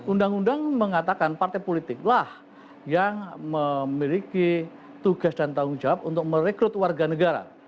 undang undang mengatakan partai politiklah yang memiliki tugas dan tanggung jawab untuk merekrut warga negara